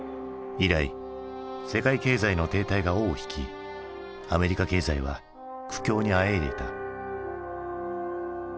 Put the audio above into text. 以来世界経済の停滞が尾を引きアメリカ経済は苦境にあえいでいた。